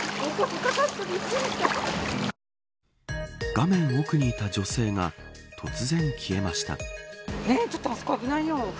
画面奥にいた女性が突然消えました。